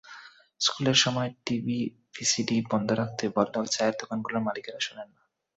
স্কুলের সময় টিভি-ভিসিডি বন্ধ রাখতে বললেও চায়ের দোকানগুলোর মালিকেরা শোনেন না।